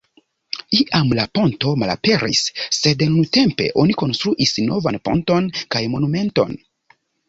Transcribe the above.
Iam la ponto malaperis, sed nuntempe oni konstruis novan ponton kaj monumenton.